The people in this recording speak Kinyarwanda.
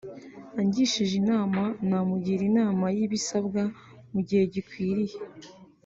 Angishije inama namugira inama y'ibisabwa mu gihe gikwiriye